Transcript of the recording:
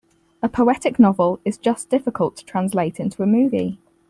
A poetic novel is just difficult to translate into a movie.